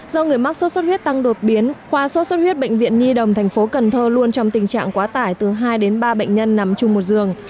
do người mắc sốt xuất huyết tăng đột biến khoa sốt xuất huyết bệnh viện nhi đồng tp cần thơ luôn trong tình trạng quá tải từ hai đến ba bệnh nhân nằm chung một giường